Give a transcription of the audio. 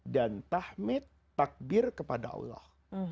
dan tahmid takbir kepada allah